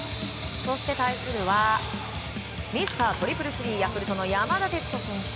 そして、対するはミスタートリプルスリーヤクルトの山田哲人選手。